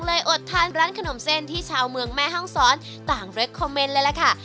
อดทานร้านขนมเส้นที่ชาวเมืองแม่ห้องซ้อนต่างเรคคอมเมนต์เลยล่ะค่ะ